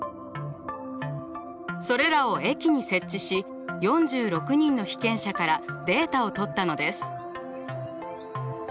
それらを駅に設置し４６人の被験者からデータをとったのです。